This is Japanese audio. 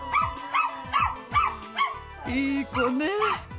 いい子ね。